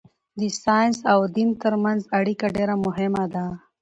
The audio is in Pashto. د ساینس او دین ترمنځ اړیکه ډېره مهمه ده.